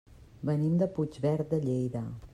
Venim de Puigverd de Lleida.